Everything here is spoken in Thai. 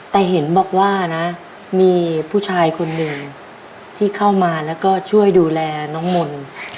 แต่เห็นบอกว่านะมีผู้ชายคนหนึ่งที่เข้ามาแล้วก็ช่วยดูแลน้องมนต์